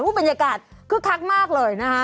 พูดบรรยากาศคู่คักมากเลยนะครับ